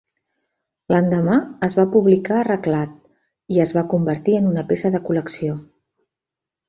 L'endemà es va publicar arreglat, i es va convertir en una peça de col·lecció.